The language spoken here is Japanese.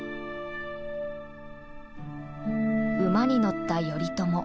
馬に乗った頼朝。